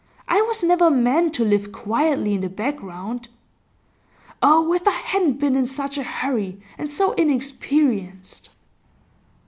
I was never meant to live quietly in the background. Oh, if I hadn't been in such a hurry, and so inexperienced!